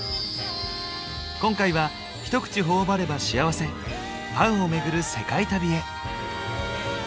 今回は一口頬張れば幸せパンを巡る世界旅へ。